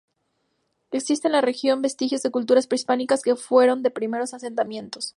Existen en la región vestigios de culturas prehispánicas que fueron los primeros asentamientos.